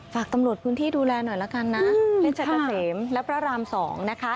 ฝากตำรวจพื้นที่ดูแลหน่อยละกันนะเพชรเกษมและพระราม๒นะคะ